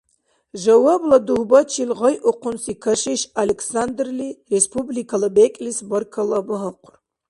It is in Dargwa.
Жавабла дугьбачил гъайухъунси кашиш Александрли республикала бекӀлис баркалла багьахъур.